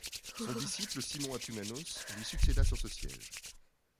Son disciple Simon Atumanos lui succéda sur ce siège.